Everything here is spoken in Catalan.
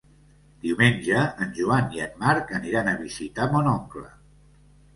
Diumenge en Joan i en Marc aniran a visitar mon oncle.